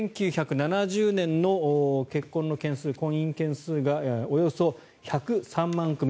１９７０年の結婚の件数婚姻件数が、およそ１０３万組。